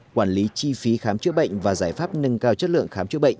quản lý chi phí khám chữa bệnh và giải pháp nâng cao chất lượng khám chữa bệnh